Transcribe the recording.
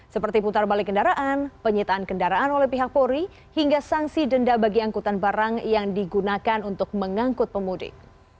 seperti putar balik kendaraan penyitaan kendaraan oleh pihak polri hingga sanksi denda bagi angkutan barang yang digunakan untuk mengangkut pemudik